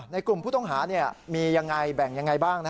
กลุ่มผู้ต้องหามียังไงแบ่งยังไงบ้าง